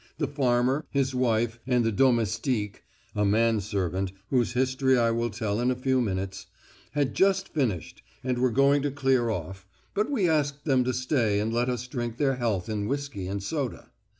The farmer, his wife, and the domestique (a manservant, whose history I will tell in a few minutes) had just finished, and were going to clear off; but we asked them to stay and let us drink their health in whiskey and soda.